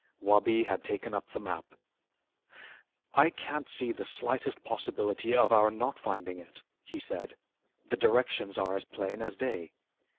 Wabi had taken up the map. "I can't see the slightest possibility of our not finding it," he said. "The directions are as plain as day.